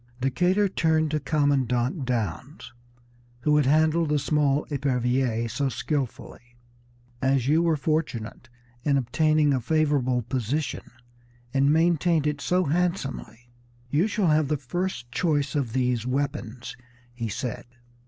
Decatur turned to Commandant Downes, who had handled the small Epervier so skilfully. "As you were fortunate in obtaining a favorable position and maintained it so handsomely, you shall have the first choice of these weapons," he said.